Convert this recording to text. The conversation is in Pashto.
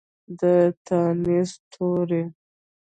د تانیث توري